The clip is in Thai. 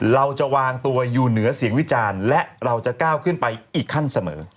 เราจะวางตัวอยู่เหนือเสียงวิจารณ์และเราจะก้าวขึ้นไปอีกขั้นเสมอ